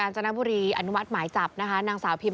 หยิงก็ไปทุกที่ไปตามสำโดดด้วยไปตามเหมือนไม่เคยสมัยไหม